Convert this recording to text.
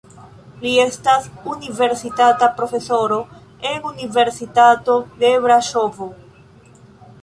Li estas universitata profesoro en Universitato de Braŝovo.